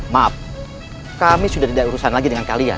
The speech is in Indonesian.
maaf kami sudah tidak urusan lagi dengan kalian